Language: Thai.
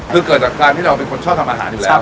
คือเกิดจากการที่เราเป็นคนชอบทำอาหารอยู่แล้ว